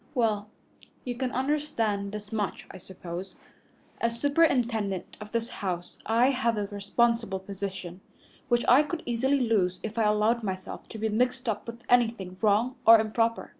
"Well, you can understand this much, I suppose. As superintendent of this house I have a responsible position, which I could easily lose if I allowed myself to be mixed up with anything wrong or improper.